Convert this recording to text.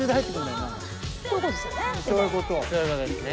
こういうことですよね。